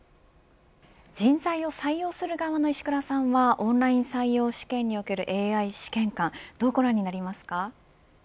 人材を採用する側の石倉さんはオンライン採用試験におけるＡＩ試験官どうご覧になりますか。